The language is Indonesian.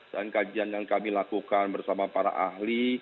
dan kajian yang kami lakukan bersama para ahli